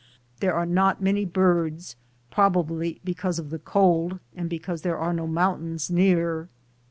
There are not many birds, probably because of the cold, and because there are no mountains near.